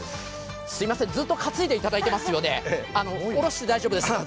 ずっと担いでいただいてますので下ろして大丈夫です。